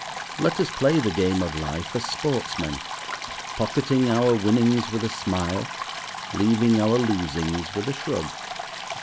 Let us play the game of life as sportsmen, pocketing our winnings with a smile, leaving our losings with a shrug.